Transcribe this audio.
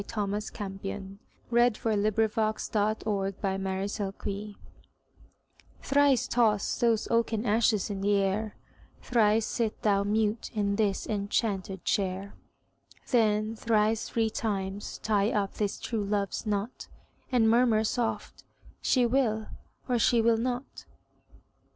Thomas Campion Thrice Toss Those Oaken Ashes in the Air THRICE toss those oaken ashes in the air; Thrice sit thou mute in this enchanted chair; Then thrice three times tie up this true love's knot, And murmur soft: "She will, or she will not."